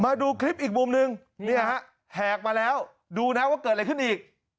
มาดูคลิปอีกมุมหนึ่งมาแล้วดูนะว่าเกิดไรขึ้นอีก